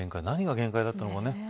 何が限界だったのかね。